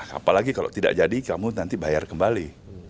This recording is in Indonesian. apalagi kalau tidak jadi kamu nanti bayar kembali